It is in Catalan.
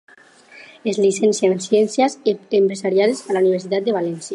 Es llicencià en Ciències Empresarials a la Universitat de València.